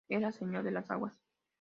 Era "Señor de las aguas".